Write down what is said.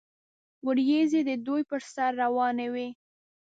وریځې د دوی پر سر روانې وې.